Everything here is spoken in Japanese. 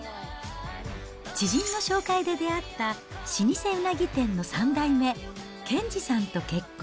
知人の紹介で出会った老舗うなぎ店の３代目、賢治さんと結婚。